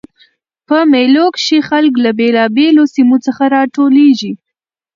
په مېلو کښي خلک له بېلابېلو سیمو څخه راټولیږي.